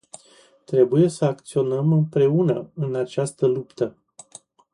Trebuie să acționăm împreună în această luptă.